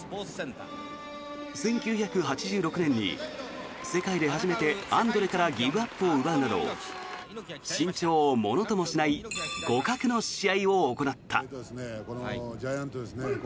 １９８６年に世界で初めてアンドレからギブアップを奪うなど身長をものともしない互角の試合を行った。